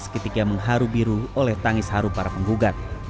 seketika mengharu biru oleh tangis haru para penggugat